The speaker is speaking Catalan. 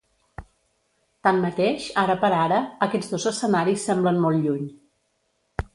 Tanmateix, ara per ara, aquests dos escenaris semblen molt lluny.